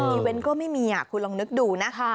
เวนต์ก็ไม่มีคุณลองนึกดูนะ